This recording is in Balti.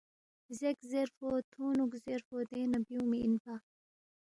زیک زیرفو تُھونگنُوک زیرفو دینگ نہ بیُونگمی اِنپا